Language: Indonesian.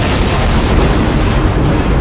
yang tak mustahak